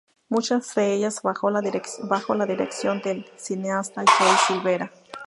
Muchas de ellas bajo la dirección del cineasta Joey Silvera.